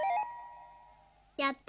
やった。